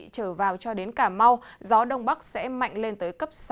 trở vào cho đến cà mau gió đông bắc sẽ mạnh lên tới cấp sáu